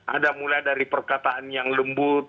ada mulai dari perkataan yang lembut